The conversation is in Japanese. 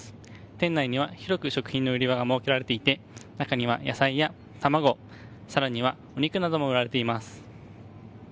店内には広く食品の売り場が設けられていて中には野菜や卵、更にはお肉なども売られています。